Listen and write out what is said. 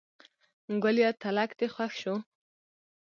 ګوليه تلک دې خوښ شو.